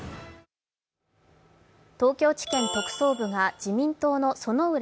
東京地検特捜部が自民党の薗浦